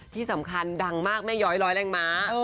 ที่สำคัญดังมากแม่ย้อยร้อยแรงม้า